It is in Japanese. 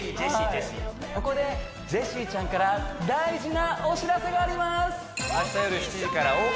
ここでジェシーちゃんから大事なお知らせがあります